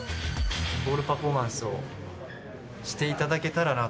ゴールパフォーマンスをして頂けたらなと。